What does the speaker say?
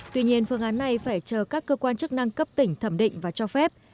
tuy nhiên phương án này phải chờ các cơ quan chức năng cấp tỉnh thẩm định và cho phép